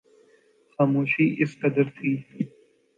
خاموشی اس قدر تھی